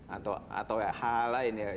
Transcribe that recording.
atau hal lain ya